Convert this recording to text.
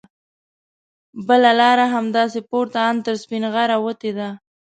بله لاره همداسې پورته ان تر سپینغره وتې ده.